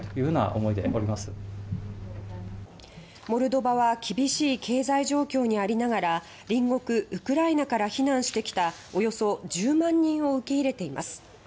モルドバは厳しい経済状況にありながら隣国ウクライナから避難してきたおよそ１０万人を受け入れています。